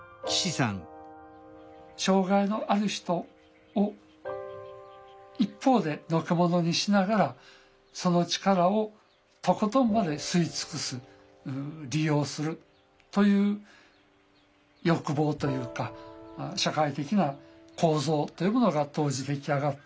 障害のある人を一方でのけ者にしながらその力をとことんまで吸い尽くす利用するという欲望というか社会的な構造というものが当時出来上がっていた。